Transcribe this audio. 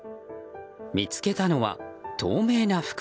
見つけたのは透明な袋。